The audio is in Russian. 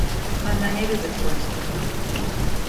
Она не любит Вронского.